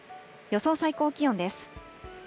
予想最高気温です。